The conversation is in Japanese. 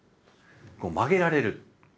曲げられる。